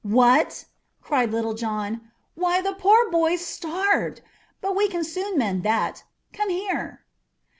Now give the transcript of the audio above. "What!" cried Little John. "Why, the poor boy's starved. But we can soon mend that. Come here!"